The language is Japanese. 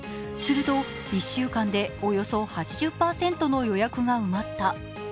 すると１週間でおよそ８０％の予約が埋まった。